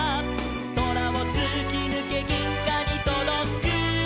「そらをつきぬけぎんがにとどく」